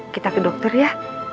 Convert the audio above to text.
kita ke dokter ya